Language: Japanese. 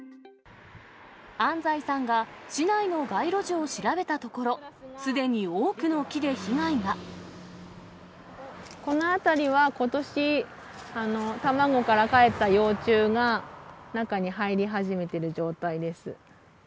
安齋さんが市内の街路樹を調べたところ、この辺りは、ことし卵からかえった幼虫が、中に入り始めてる状態です。